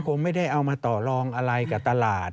คงไม่ได้เอามาต่อลองอะไรกับตลาด